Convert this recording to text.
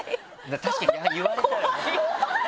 確かに言われたらね。